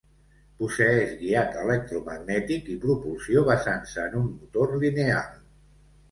Posseeix guiat electromagnètic i propulsió basant-se en un motor lineal.